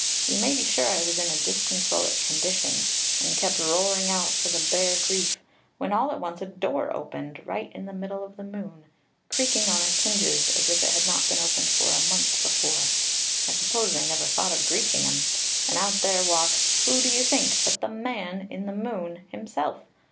You may be sure I was in a disconsolate condition, and kept roaring out for the bare grief, when all at once a door opened right in the middle of the moon, creaking on its hinges as if it had not been opened for a month before, I suppose they never thought of greasing 'em, and out there walks who do you think, but the man in the moon himself?